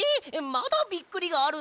まだびっくりがあるの？